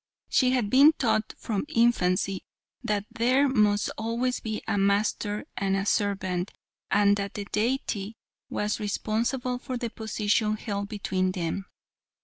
She had been taught from infancy that there must always be a master and a servant, and that the Deity was responsible for the position held between them.